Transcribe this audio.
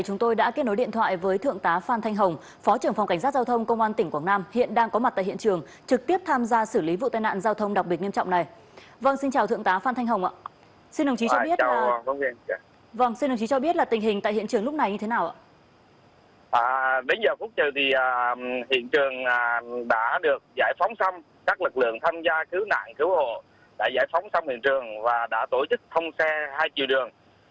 chúng ta cứu nạn cứu hộ đã giải phóng xong hiện trường và đã tổ chức thông xe hai triệu đường